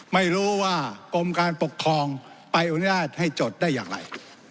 ไม่รู้ว่ากรมการปกครองไปอนุญาตให้จดได้อย่างไร